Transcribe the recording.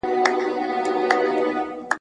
چي طلاوي نه وې درې واړه یاران ول !.